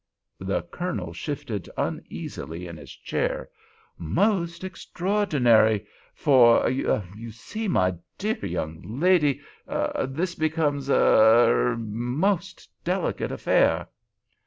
The Colonel shifted uneasily in his chair. "Most extraordinary! for—you see—my dear young lady—this becomes—a—er—most delicate affair."